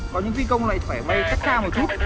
có những phi công nó lại phải bay cách xa một chút